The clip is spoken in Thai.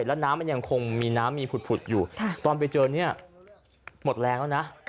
แล้ว้นน้ำมันยังคงมีน้ำปลูกอยู่ตอนเจ้าหน้าหมดแรงแล้วนะ